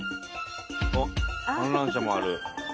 あっ観覧車もある。